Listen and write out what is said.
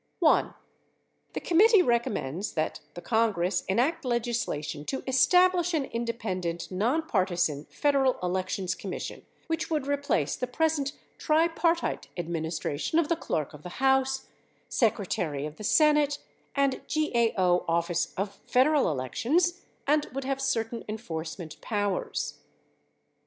1. The committee recommends that the Congress enact legisla tion to establish an independent, nonpartisan Federal Elections Commission which would replace the present tripartite adminis tration of the Clerk of the House, Secretary of the Senate, and GAO Office of Federal Elections and would have certain enforce ment powers.